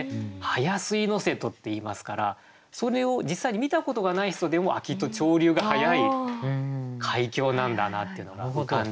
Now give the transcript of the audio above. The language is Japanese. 「速吸瀬戸」っていいますからそれを実際に見たことがない人でもきっと潮流が速い海峡なんだなっていうのが浮かんできて。